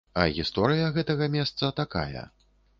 А гісторыя гэтага месца такая.